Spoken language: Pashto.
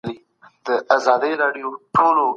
ماشومان له دوه کلنۍ څخه جوړولو ته پیل کوي.